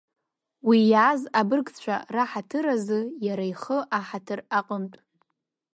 Уи, иааз абыргцәа раҳаҭыр азы, иара ихы аҳаҭыр аҟынтә…